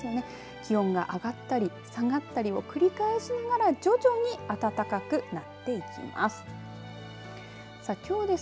気温が上がったり下がったりを繰り返しながら徐々に暖かくなっていきます。